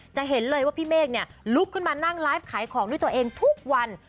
จะเห็นเลยว่าพี่เมฆลุกขึ้นมานั่งไลฟ์ขายของด้วยตัวเองทุกวัน